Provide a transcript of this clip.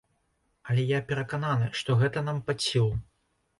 Але я перакананы, што гэта нам пад сілу.